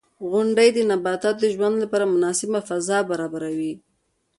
• غونډۍ د نباتاتو د ژوند لپاره مناسبه فضا برابروي.